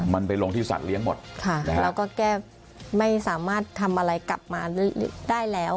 มันไปลงที่สัตว์เลี้ยงหมดแล้วก็แก้ไม่สามารถทำอะไรกลับมาได้แล้ว